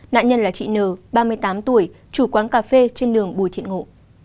nạn nhân là chị n ba mươi tám tuổi chủ quán cà phê trên đường bùi thiện ngộ